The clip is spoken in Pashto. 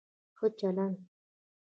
ښه چلند